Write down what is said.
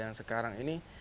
yang sekarang ini